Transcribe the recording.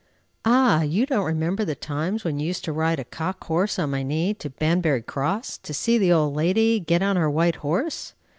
Ah! You don't remember the times when you used to ride a cock horse, on my knee, to Banbury Cross, to see the old lady get on her white horse!"